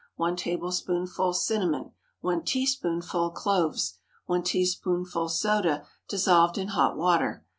1 tablespoonful cinnamon. 1 teaspoonful cloves. 1 teaspoonful soda dissolved in hot water.